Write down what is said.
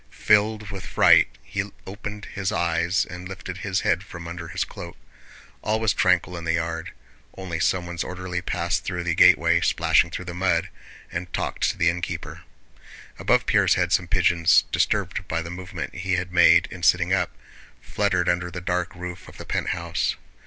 Filled with fright he opened his eyes and lifted his head from under his cloak. All was tranquil in the yard. Only someone's orderly passed through the gateway, splashing through the mud, and talked to the innkeeper. Above Pierre's head some pigeons, disturbed by the movement he had made in sitting up, fluttered under the dark roof of the penthouse.